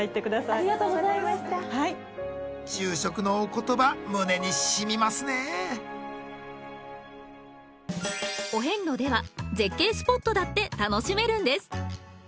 ありがとうございました住職のお言葉胸にしみますねお遍路では絶景スポットだって楽しめるんです！